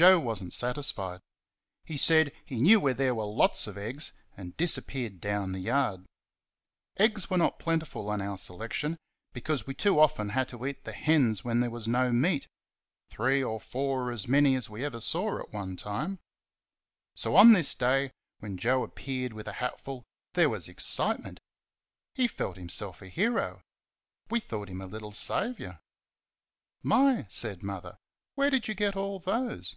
Joe was n't satisfied. He said he knew where there was a lot of eggs, and disappeared down the yard. Eggs were not plentiful on our selection, because we too often had to eat the hens when there was no meat three or four were as many as we ever saw at one time. So on this day, when Joe appeared with a hatful, there was excitement. He felt himself a hero. We thought him a little saviour. "My!" said Mother, "where did you get all those?"